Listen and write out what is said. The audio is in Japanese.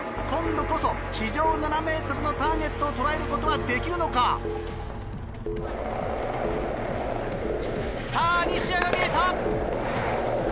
今度こそ地上７ｍのターゲットを捉えることはできるのか⁉さぁ西矢が見えた！